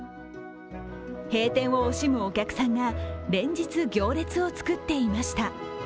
閉店を惜しむお客さんが連日、行列を作っていました。